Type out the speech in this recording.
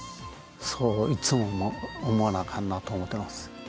そういつも思わなあかんなと思ってます。